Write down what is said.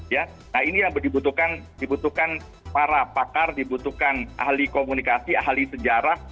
ya nah ini yang dibutuhkan para pakar dibutuhkan ahli komunikasi ahli sejarah